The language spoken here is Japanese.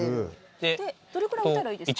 どれくらい置いたらいいですか。